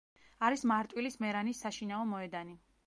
არის მარტვილის „მერანის“ საშინაო მოედანი.